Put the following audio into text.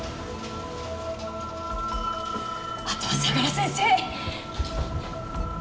あとは相良先生！